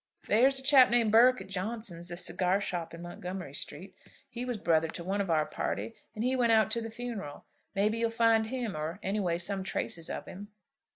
"There's a chap named Burke at Johnson's, the cigar shop in Montgomery Street. He was brother to one of our party, and he went out to the funeral. Maybe you'll find him, or, any way, some traces of him."